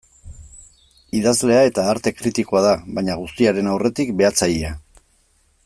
Idazlea eta arte kritikoa da, baina guztiaren aurretik, behatzailea.